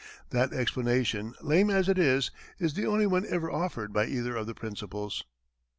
That explanation, lame as it is, is the only one ever offered by either of the principals.